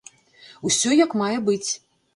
Усё як мае быць!